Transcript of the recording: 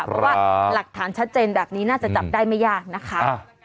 เพราะว่าหลักฐานชัดเจนแบบนี้น่าจะจับได้ไม่ยากนะคะ